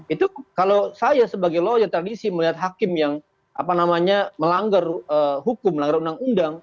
itu kalau saya sebagai lawyer tradisi melihat hakim yang melanggar hukum melanggar undang undang